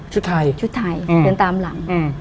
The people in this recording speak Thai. ชุดไทยชุดไทยอืมเดินตามหลังอืม